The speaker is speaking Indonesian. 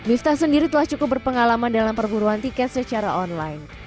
miftah sendiri telah cukup berpengalaman dalam perburuan tiket secara online